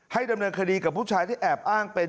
ดำเนินคดีกับผู้ชายที่แอบอ้างเป็น